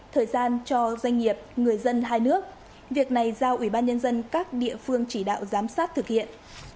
thời gian cho doanh nghiệp người dân hai nước việc này giao ủy ban nhân dân các địa phương chỉ đạo giám sát thực hiện